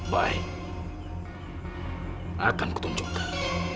baik akan kutunjukkan